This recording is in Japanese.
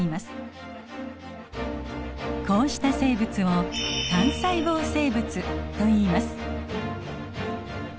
こうした生物を単細胞生物といいます。